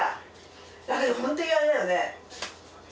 だけどほんとにあれだよね。